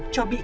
cho bị cáo